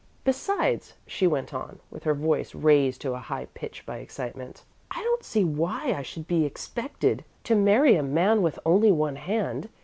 "Besides," she went on, with her voice raised to a high pitch by excitement, "I don't see why I should be expected to marry a man with only one hand.